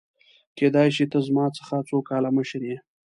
کيدای شي ته زما څخه څو کاله مشر يې !؟